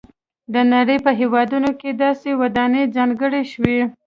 د نړۍ په هېوادونو کې داسې ودانۍ ځانګړې شوي.